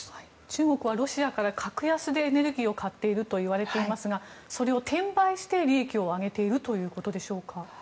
中国はロシアから格安でエネルギーを買っているといわれていますがそれを転売して利益を上げているということでしょうか？